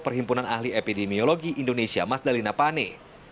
perhimpunan ahli epidemiologi indonesia mas dalina pane